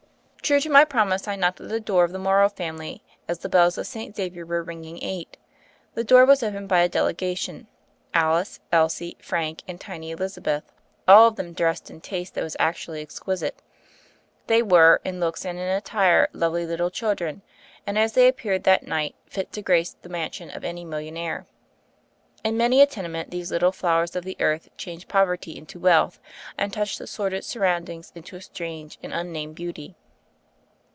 True to my promise, I knocked at the door of the Morrow family, as the bells of St. Xa vier were ringing eight. The door was opened by a delegation, Alice, Elsie, Frank, and tiny Elizabeth, all of them dressed in taste that was actually exquisite. They were, in looks and in attire, lovely little children, and, as they ap peared that night, fit to grace the mansion of any millionaire. In many a tenement these little flowers of the earth change poverty into wealth, and touch the sordid surroundings into a strange and unnamed beauty.